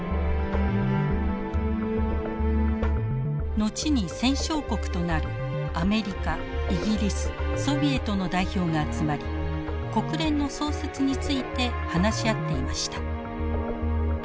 後に戦勝国となるアメリカイギリスソビエトの代表が集まり国連の創設について話し合っていました。